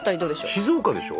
静岡でしょ？